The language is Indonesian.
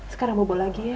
sekarang bobol lagi ya